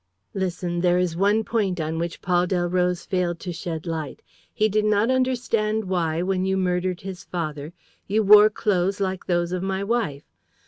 Listen, there is one point on which Paul Delroze failed to shed light. He did not understand why, when you murdered his father, you wore clothes like those of my wife.